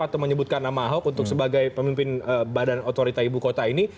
atau menyebutkan nama ahok untuk sebagai pemimpin badan otorita ibu kota ini